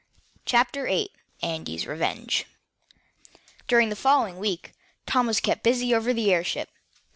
CHAPTER VIII ANDY FOGER'S REVENGE During the following week, Tom was kept busy over the airship.